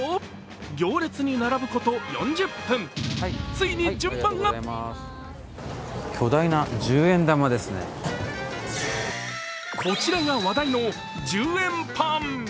行列に並ぶこと４０分、ついに順番がこちらが話題の１０円パン。